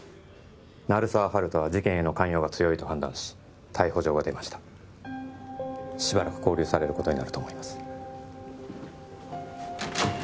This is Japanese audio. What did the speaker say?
鳴沢温人は事件への関与が強いと判断し逮捕状が出ましたしばらく勾留されることになると思います